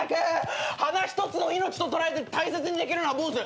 花一つの命と捉えて大切にできるのは坊主。